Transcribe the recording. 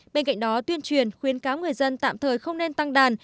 bên cạnh đó tuyên truyền khuyến cáo người dân tạm thời không nên tăng đàn